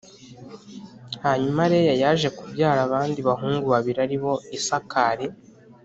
Hanyuma Leya yaje kubyara abandi bahungu babiri ari bo Isakari